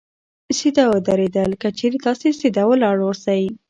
سیده درېدل : که چېرې تاسې سیده ولاړ اوسئ